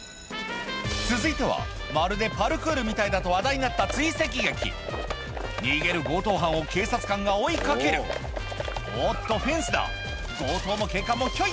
続いてはまるでパルクールみたいだと話題になった追跡劇逃げる強盗犯を警察官が追い掛けるおっとフェンスだ強盗も警官もひょいっ！